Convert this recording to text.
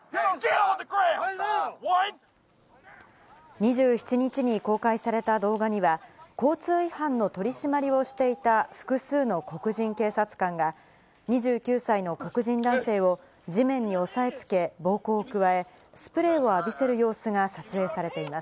２７日に公開された動画には、交通違反の取締りをしていた複数の黒人警察官が、２９歳の黒人男性を地面に押さえつけ、暴行を加え、スプレーを浴びせる様子が撮影されています。